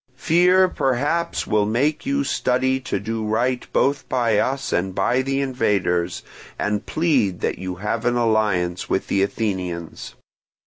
"Fear perhaps will make you study to do right both by us and by the invaders, and plead that you have an alliance with the Athenians.